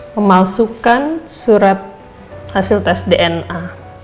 memalsukan surat hasil tes dna